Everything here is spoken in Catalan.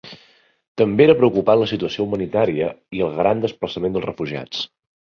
També era preocupant la situació humanitària i el gran desplaçament dels refugiats.